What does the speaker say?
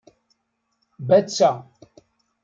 Batta